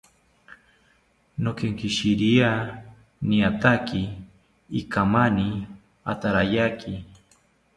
Nokenkishiria niataki inkamani atarayaki